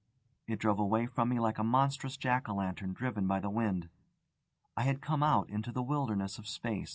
It drove away from me like a monstrous jack o' lantern driven by the wind. I had come out into the wilderness of space.